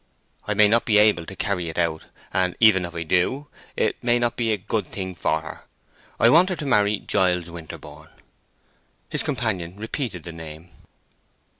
I may not be able to carry it out; and even if I do, it may not be a good thing for her. I want her to marry Giles Winterborne." His companion repeated the name.